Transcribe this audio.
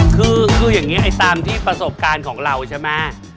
คืออย่างนี้ตามที่ประสบการณ์ของเราใช่ไหม